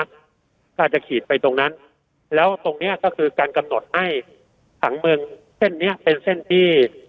อาจจะขีดไปตรงนั้นแล้วตรงเนี้ยก็คือการกำหนดให้ผังเมืองเส้นนี้เป็นเส้นที่